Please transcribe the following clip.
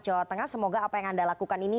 jawa tengah semoga apa yang anda lakukan ini